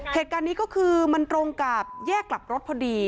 เหตุการณ์นี้ก็คือมันตรงกับแยกกลับรถพอดี